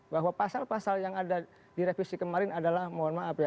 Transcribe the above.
bahwa pasal pasal yang ada di revisi kemarin adalah mohon maaf ya